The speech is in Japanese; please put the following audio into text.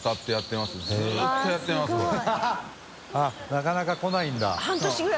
なかなか来ないんだ。とか？